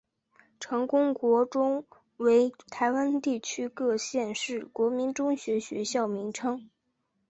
成功国中为台湾地区各县市国民中学学校名称。